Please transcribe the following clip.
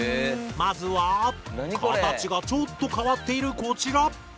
まずは形がちょっと変わっているこちら！